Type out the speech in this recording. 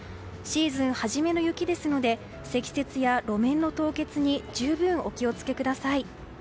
シーズン初めの雪ですので積雪や路面の凍結に十分、お気をつけください。